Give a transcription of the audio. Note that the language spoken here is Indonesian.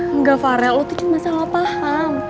enggak faral lo tuh cuma salah paham